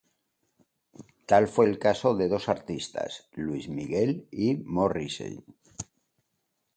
Tal fue el caso de dos artistas: Luis Miguel y Morrissey.